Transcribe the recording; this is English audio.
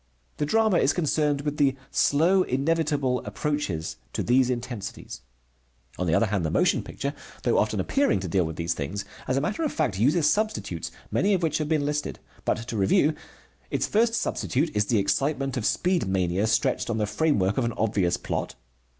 The drama is concerned with the slow, inevitable approaches to these intensities. On the other hand, the motion picture, though often appearing to deal with these things, as a matter of fact uses substitutes, many of which have been listed. But to review: its first substitute is the excitement of speed mania stretched on the framework of an obvious plot.